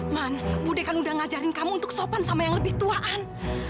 man bu deh kan udah ngajarin kamu untuk sopan sama yang lebih tua an